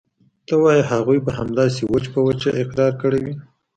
ته وايې هغوى به همداسې وچ په وچه اقرار کړى وي.